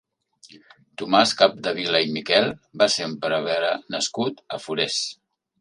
Tomàs Capdevila i Miquel va ser un prevere nascut a Forès.